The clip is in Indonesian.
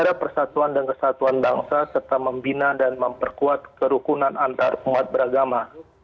ada persatuan dan kesatuan bangsa serta membina dan memperkuat kerukunan antarumat beragama